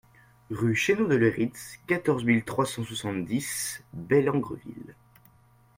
Rue Cheneaux de Leyritz, quatorze mille trois cent soixante-dix Bellengreville